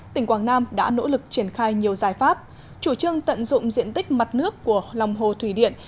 tỉnh quảng nam đã nỗ lực triển khai nhiều giải pháp chủ trương tận dụng diện tích mặt nước của lòng hồ thủy điện